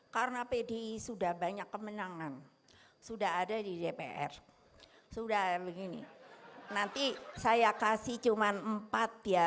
karena pdi sudah banyak kemenangan sudah ada di dpr sudah begini nanti saya kasih cuman empat ya